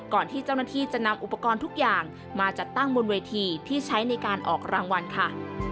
ที่เจ้าหน้าที่จะนำอุปกรณ์ทุกอย่างมาจัดตั้งบนเวทีที่ใช้ในการออกรางวัลค่ะ